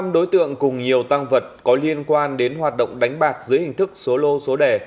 năm đối tượng cùng nhiều tăng vật có liên quan đến hoạt động đánh bạc dưới hình thức số lô số đẻ